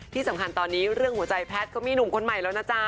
ที่สำคัญตอนนี้เรื่องหัวใจแพทย์ก็มีหนุ่มคนใหม่แล้วนะจ๊ะ